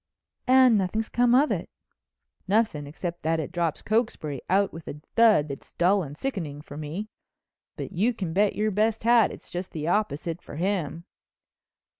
"And nothing's come of it." "Nothing, except that it drops Cokesbury out with a thud that's dull and sickening for me, but you can bet your best hat it's just the opposite for him."